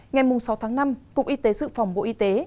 ngày sáu tháng năm cục y tế dự phòng bộ y tế